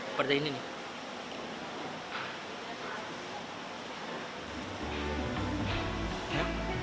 seperti ini nih